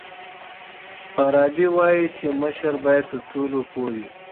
فارابي وایي چي مشر باید تر ټولو پوه وي.